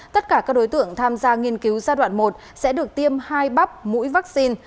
tất cả các đối tượng tham gia nghiên cứu giai đoạn một sẽ được tiêm hai bắp mũi vaccine